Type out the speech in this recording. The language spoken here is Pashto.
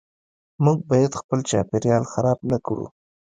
موږ باید خپل چاپیریال خراب نکړو .